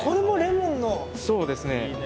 そうですね。